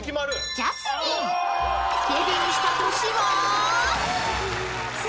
［デビューした年は？］